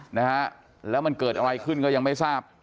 นะฮะแล้วมันเกิดอะไรขึ้นก็ยังไม่ทราบ